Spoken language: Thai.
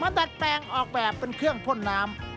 ดัดแปลงออกแบบเป็นเครื่องพ่นน้ำ